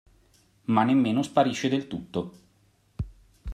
Ma nemmeno sparisce del tutto.